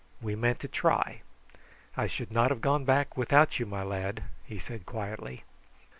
We meant to try. I should not have gone back without you, my lad," he said quietly.